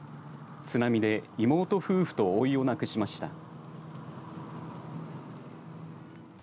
津波で妹夫婦とおいを亡くしました。